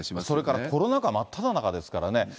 それからコロナ禍真っただ中ですからね。